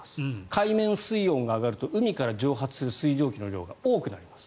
海面水温が上がると海から蒸発する水蒸気の量が多くなります。